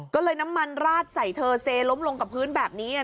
ก็เลยน้ำมันราดใส่เธอเซล้มลงกับพื้นแบบนี้